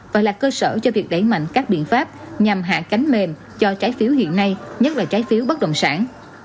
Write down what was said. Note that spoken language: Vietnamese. và là cơ sở cho việc đẩy mạnh các biện pháp nhằm hạ cánh mềm cho trái phiếu hiện nay nhất là trái phiếu bất động sản